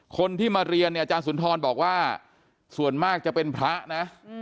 คนที่มาเรียนเนี่ยอาจารย์สุนทรบอกว่าส่วนมากจะเป็นพระนะ